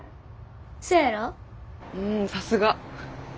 うんさすが。